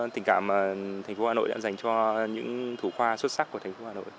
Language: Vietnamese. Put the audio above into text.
tình cảm mà thành phố hà nội đã dành cho những thủ khoa xuất sắc của thành phố hà nội